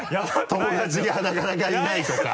友達がなかなかいないとか。